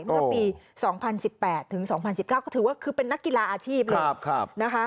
เมื่อปี๒๐๑๘ถึง๒๐๑๙ก็ถือว่าคือเป็นนักกีฬาอาชีพเลยนะคะ